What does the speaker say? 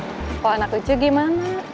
kalau anak kecil gimana